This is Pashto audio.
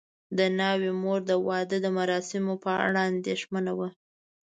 د ناوې مور د واده د مراسمو په اړه اندېښمنه وه.